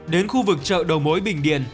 đến khu vực chợ đầu mối bình điền